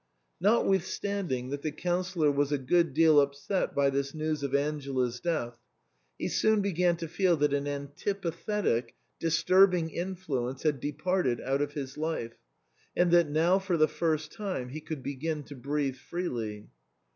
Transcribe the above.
Not 26 THE CREMONA VIOLIN. withstanding that the Councillor was a good deal upset by this news of Angela's death, he soon began to feel that an antipathetic, disturbing influence had departed out of his life, and that now for the first time he could begin to breathe freely.